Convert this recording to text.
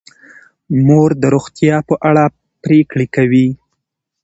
مور د روغتیا په اړه پریکړې کوي.